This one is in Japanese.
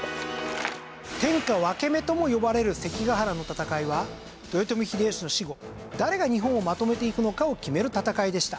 天下分け目とも呼ばれる関ヶ原の戦いは豊臣秀吉の死後誰が日本をまとめていくのかを決める戦いでした。